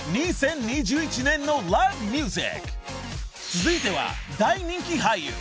［続いては大人気俳優。